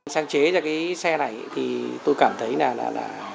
sáng chế ra cái xe này thì tôi cảm thấy là